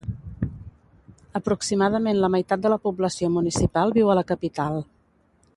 Aproximadament la meitat de la població municipal viu a la capital.